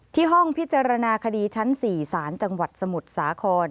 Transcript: ห้องพิจารณาคดีชั้น๔สารจังหวัดสมุทรสาคร